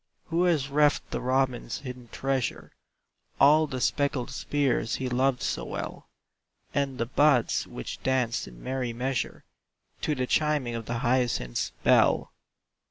"Who has reft the robin's hidden treasure, All the speckled spheres he loved so well? And the buds which danced in merry measure To the chiming of the hyacinth's bell?